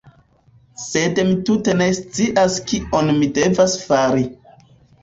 Sed mi tute ne scias kion mi devas fari